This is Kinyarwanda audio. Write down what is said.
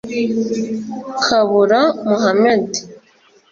Kabura Muhamed